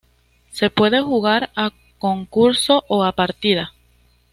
Se puede jugar a concurso o a partida.